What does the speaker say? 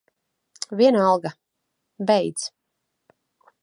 Vienalga. Beidz.